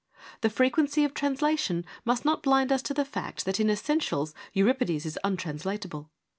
The frequency of translation must not blind us to the fact that in essentials Euripides is untranslatable.